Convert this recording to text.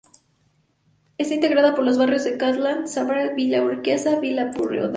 Está integrada por los barrios de Coghlan, Saavedra, Villa Urquiza y Villa Pueyrredón.